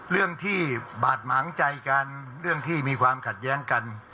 เรื่องที่บาดหมางใจกันเรื่องที่มีความขัดแย้งกัน